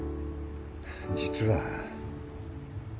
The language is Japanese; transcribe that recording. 実は。